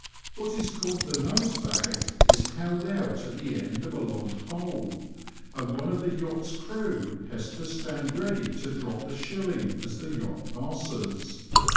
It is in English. What is called the nose bag is held out at the end of a long pole, and one of the yacht's crew has to stand ready to drop the shilling as the yacht passes.